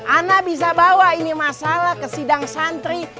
anda bisa bawa ini masalah ke sidang santri